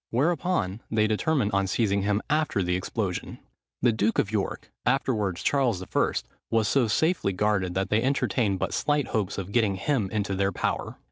Whereupon, they determined on seizing him after the explosion. The duke of York, afterwards Charles I., was so safely guarded, that they entertained but slight hopes of getting him into their power.